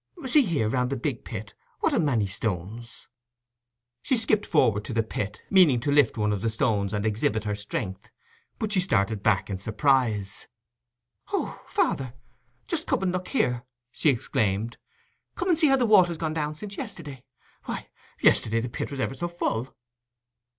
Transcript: See here, round the big pit, what a many stones!" She skipped forward to the pit, meaning to lift one of the stones and exhibit her strength, but she started back in surprise. "Oh, father, just come and look here," she exclaimed—"come and see how the water's gone down since yesterday. Why, yesterday the pit was ever so full!"